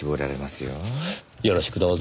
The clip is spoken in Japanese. よろしくどうぞ。